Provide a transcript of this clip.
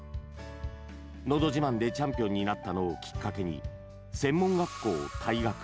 「のど自慢」でチャンピオンになったのをきっかけに、専門学校を退学。